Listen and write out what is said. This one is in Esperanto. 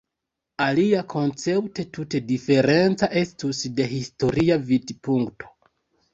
Alia koncepto tute diferenca estus de historia vidpunkto.